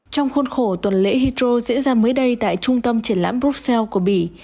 trong khuôn khổ tuần lễ hydro diễn ra mới đây tại trung tâm triển lãm bruxelles của bỉ